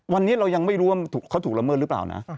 วันนี้เรายังไม่รู้ว่าเขาถูกละเมิดหรือเปล่านะ